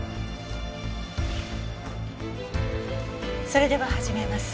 それでは始めます。